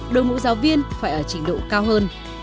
đội ngũ giáo viên phải ở trình độ cao hơn